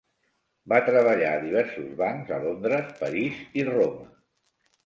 Va treballar a diversos bancs a Londres, París i Roma.